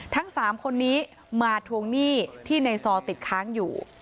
ทั้ง๓คนนี้มาทวงหนี้ที่ในซอติดค้างอยู่